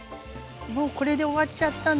もうこれで終わっちゃったの。